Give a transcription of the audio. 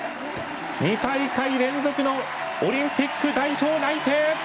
２大会連続のオリンピック代表内定。